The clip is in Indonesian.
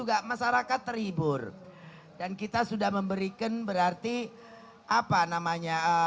apakah sudah diambil benderanya